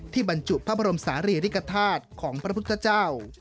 บรรจุพระบรมศาลีริกฐาตุของพระพุทธเจ้า